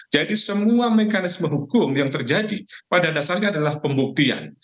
jadi semua mekanisme hukum yang terjadi pada dasarnya adalah pembuktian